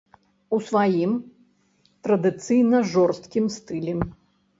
У сваім, традыцыйна жорсткім стылі.